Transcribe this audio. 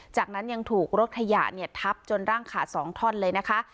จากนั้นยังถูกรถขยะถับจนร่างขาสองท่อนเลยนะคะ